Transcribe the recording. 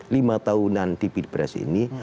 lima tahunan di pilpres ini